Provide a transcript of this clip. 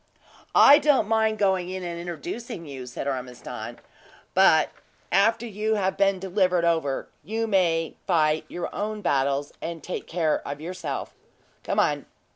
"I don't mind going in and introducing` you," said Ormiston; "but after you have been delivered over, you may fight your own battles, and take care of yourself. Come on."